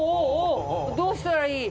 どうしたらいい？